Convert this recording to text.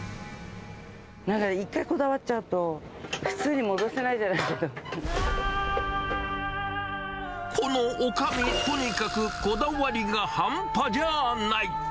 だから一回こだわっちゃうと、このおかみ、とにかくこだわりが半端じゃない。